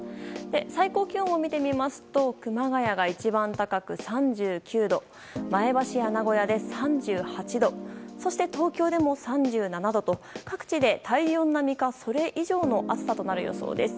最高気温を見てみますと熊谷が一番高く３９度前橋や名古屋で３８度そして、東京でも３７度と各地で体温並みかそれ以上の暑さとなる予想です。